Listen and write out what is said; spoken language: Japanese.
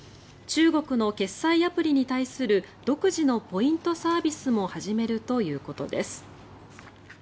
中国の決済アプリに対する独自のポイントサービスも始めるということです。